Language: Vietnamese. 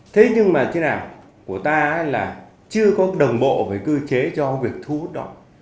thế nhưng mà thế nào của ta là chưa có đồng bộ về cơ chế cho việc thu hút đó